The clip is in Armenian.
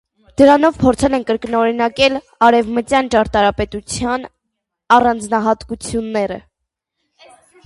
Դրանով փորձել են կրկնօրինակել արևմտյան ճարտարապետության առանձնահատկությունները։